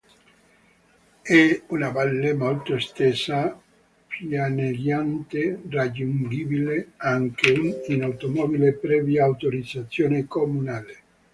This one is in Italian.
È una valle molto estesa, pianeggiante, raggiungibile anche in automobile previa autorizzazione comunale.